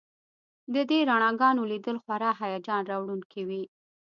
د دې رڼاګانو لیدل خورا هیجان راوړونکي وي